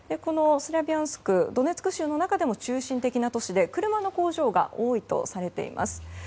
スラビャンスクはドネツク州の中でも中心的な都市で車の工場が多いとされています。